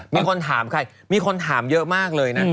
มีคนถามใครมีคนถามเยอะมากเลยนะ